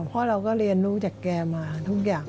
เพราะเราก็เรียนรู้จากแกมาทุกอย่าง